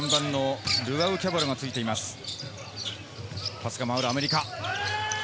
パスが回るアメリカ。